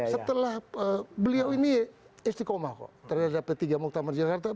setelah beliau ini istiqomah kok terhadap ketiga muktamar jakarta